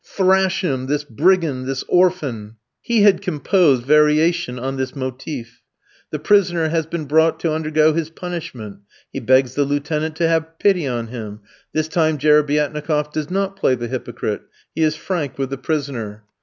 thrash him! this brigand! this orphan!" He had composed variation on this motive. The prisoner has been brought to undergo his punishment. He begs the lieutenant to have pity on him. This time Jerebiatnikof does not play the hypocrite; he is frank with the prisoner.